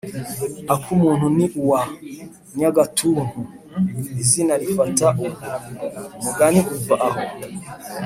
«akumuntu ni uwa nyagatuntu! izina lifata bwo; umugani uva aho.